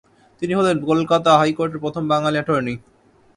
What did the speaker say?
তিনি হলেন কলকাতা হাইকোর্টের প্রথম বাঙালি এটর্নি